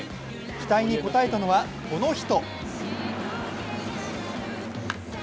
期待に応えたのはこの人。